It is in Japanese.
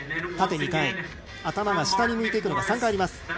縦２回、頭が下に向いていくのが３回あります。